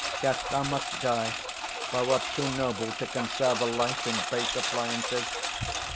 Yes, thou must die: Thou art too noble to conserve a life 85 In base appliances.